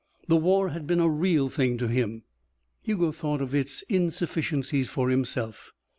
The war had been a real thing to him. Hugo thought of its insufficiencies for himself.